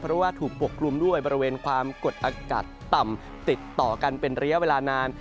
เพราะว่าถูกปกกลุ่มด้วยบริเวณความกดอากาศต่ำติดต่อกันเป็นระยะเวลานาน